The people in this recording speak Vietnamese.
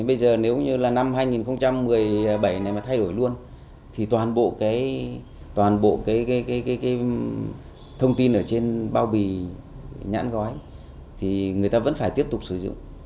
bây giờ nếu như là năm hai nghìn một mươi bảy này mà thay đổi luôn thì toàn bộ cái toàn bộ cái thông tin ở trên bao bì nhãn gói thì người ta vẫn phải tiếp tục sử dụng